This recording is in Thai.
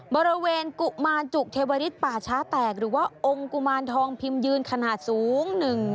บริเวณกุมารจุเทวริสป่าช้าแตกหรือว่าองค์กุมารทองพิมพ์ยืนขนาดสูง